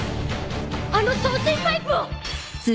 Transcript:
あの送水パイプを！